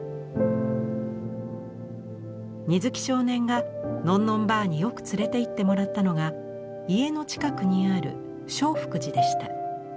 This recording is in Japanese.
水木少年がのんのんばあによく連れていってもらったのが家の近くにある正福寺でした。